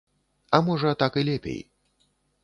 А можа, так і лепей.